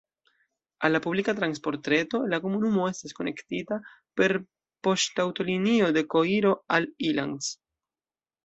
Al la publika transportreto la komunumo estas konektita per poŝtaŭtolinio de Koiro al Ilanz.